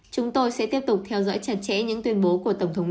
chúng tôi sẽ tiếp tục theo dõi chặt chẽ những tuyên bố của tổng thống